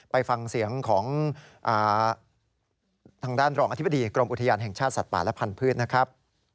ไปฟังเสียงของทางด้านรองอธิบดีกรมอุทยานแห่งชาติสัตว์ป่าและพันธุ์นะครับ